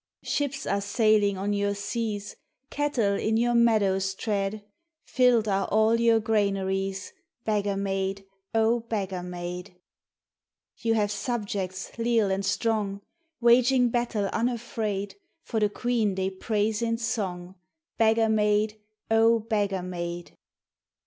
Ships are sailing on your seas, Cattle in your meadows tread, Filled are all your granaries Beggar maid, O beggar maid ! You have subjects leal and strong, Waging battle unafraid For the queen they praise in song, Beggar maid, O beggar maid